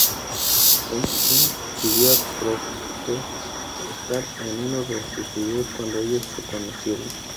Costner pidió a Kroeger estar en uno de sus vídeos cuando ellos se conocieron.